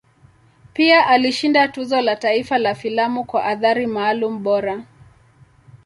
Pia alishinda Tuzo la Taifa la Filamu kwa Athari Maalum Bora.